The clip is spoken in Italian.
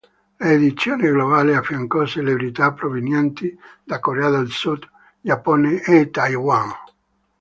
L'edizione globale affiancò celebrità provenienti da Corea del Sud, Giappone e Taiwan.